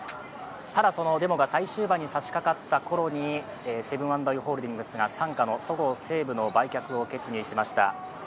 ただデモが最終盤にさしかかったころにセブン＆アイ・ホールディングスが傘下のそごう・西武の売却を決議しました。